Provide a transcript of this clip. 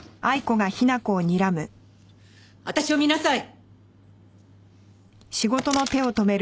私を見なさい！